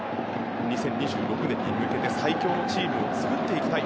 ２０２６年に向けて最強のチームを作っていきたい